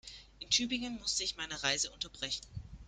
In Tübingen musste ich meine Reise unterbrechen